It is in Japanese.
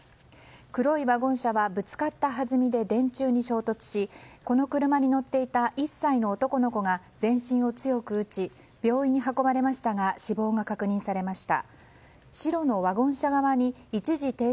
黒いワゴン車はぶつかったはずみで電柱に衝突しこの車に乗っていた１歳の男の子が全身を強く打ち病院に運ばれましたが死亡が確認されました。